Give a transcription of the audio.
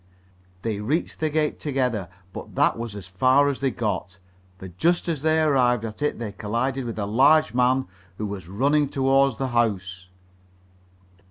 They reached the gate together, but that was as far as they got, for just as they arrived at it they collided with a large man who was running toward the house.